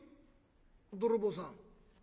泥棒さん」。